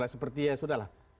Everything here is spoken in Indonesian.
seperti ya sudah lah